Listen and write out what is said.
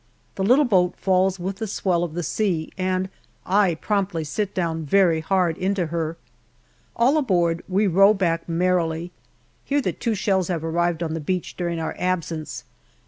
The little boat falls with the swell of the sea, and I promptly sit down very hard into her. All aboard, we row back merrily. Hear that two shells have arrived on the beach during our absence.